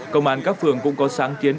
công an các phường cũng có sáng kiến